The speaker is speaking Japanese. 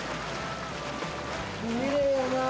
きれいやな。